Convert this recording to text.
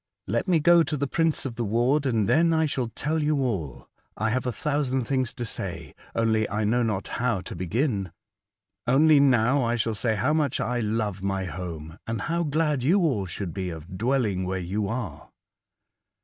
" Let me go to the prince of the ward, and then I shall tell you all. I have a thousand things to say, only I know not how to begin. Only now I shall say how much I love my home, and how glad you all should be of dwelling where you are."